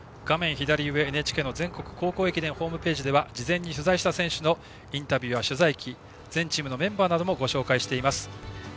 左上、ＮＨＫの全国高校駅伝ホームページでは事前に取材した選手のインタビューや取材記全チームのメンバーなどもご紹介しています。